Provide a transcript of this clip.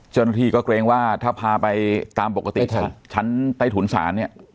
เจ้าหน้าที่ก็เกรงว่าถ้าพาไปตามปกติชั้นใต้ถุนศาลเนี่ย